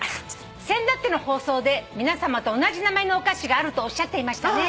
「せんだっての放送で皆さまと同じ名前のお菓子があるとおっしゃっていましたね」